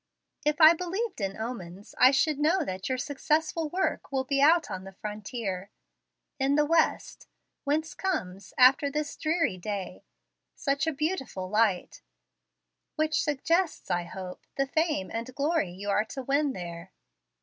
If I believed in omens, I should know that your successful work will be out on the frontier, in the West, whence comes, after this dreary day, such a beautiful light, which suggests, I hope, the fame and glory you are to win there."